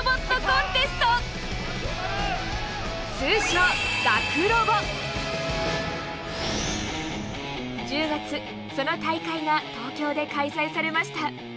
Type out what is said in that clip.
通称１０月その大会が東京で開催されました。